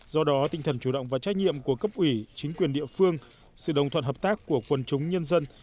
do đó tinh thần chủ động và trách nhiệm của cấp ủy chính quyền địa phương sự đồng thuận hợp tác của quần chúng nhân dân